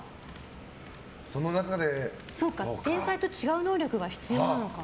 そうか、天才と違う能力が必要なのか。